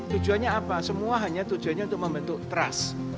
tujuannya apa semua hanya tujuannya untuk membentuk trust